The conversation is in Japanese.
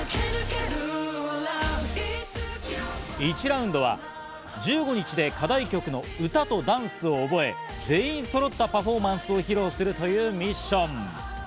１ラウンドは１５日で課題曲の歌とダンスを覚え、全員そろったパフォーマンスを披露するというミッション。